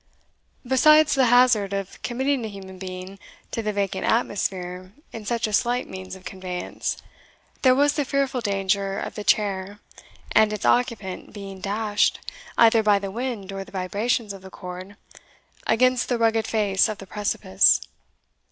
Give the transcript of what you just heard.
Besides the hazard of committing a human being to the vacant atmosphere in such a slight means of conveyance, there was the fearful danger of the chair and its occupant being dashed, either by the wind or the vibrations of the cord, against the rugged face of the precipice.